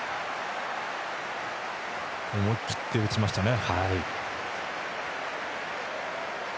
思い切って打ちましたね。